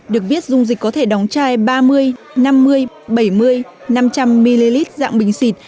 được biết dung dịch có thể đóng chai ba mươi năm mươi bảy mươi năm trăm linh ml dạng bình xịt